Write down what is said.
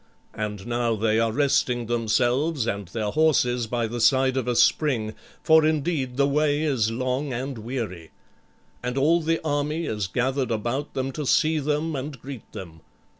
And now they are resting themselves and their horses by the side of a spring, for indeed the way is long and weary. And all the army is gathered about them to see them and greet them.